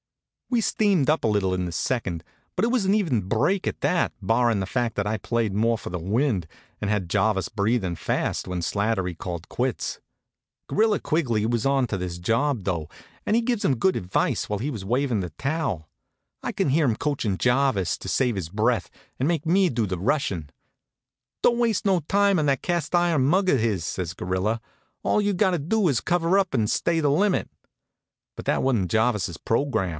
We steamed up a little in the second; but it was an even break at that, barrin' the fact that I played more for the wind, and had Jarvis breathin' fast when Slattery called quits. Gorilla Quigley was onto his job, though, an' he gives him good advice while he was wavin' the towel. I could hear him coachin' Jarvis to save his breath and make me do the rushin'. "Don't waste no time on that cast iron mug of his," says Gorilla. "All you gotter do is cover up an' stay the limit." But that wa'n't Jarvis's program.